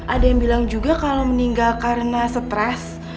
ada yang bilang juga kalau meninggal karena stres